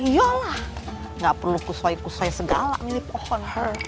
yolah gak perlu kusoi kusoi segala milik pohon